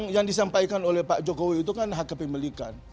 yang disampaikan oleh pak jokowi itu kan hak kepemilikan